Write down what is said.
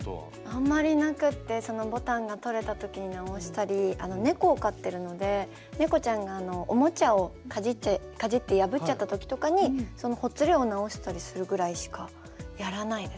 あんまりなくってそのボタンが取れた時に直したり猫を飼ってるので猫ちゃんがおもちゃをかじって破っちゃった時とかにそのほつれを直したりするぐらいしかやらないですね。